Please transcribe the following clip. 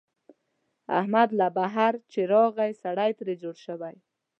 احمد له بهر چې راغی، سړی ترې جوړ شوی.